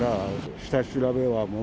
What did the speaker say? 下調べはもう。